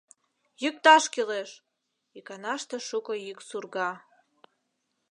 Йӱкташ кӱлеш! — иканаште шуко йӱк сурга.